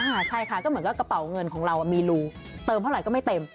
ใช่ค่ะก็เหมือนกับกระเป๋าเงินของเรามีรูเติมเท่าไหร่ก็ไม่เต็ม